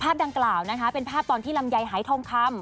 ดังกล่าวนะคะเป็นภาพตอนที่ลำไยหายทองคำ